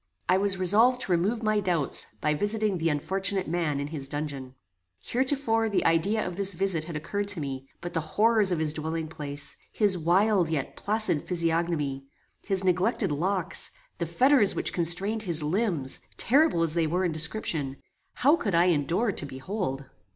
I was resolved to remove my doubts, by visiting the unfortunate man in his dungeon. Heretofore the idea of this visit had occurred to me; but the horrors of his dwelling place, his wild yet placid physiognomy, his neglected locks, the fetters which constrained his limbs, terrible as they were in description, how could I endure to behold!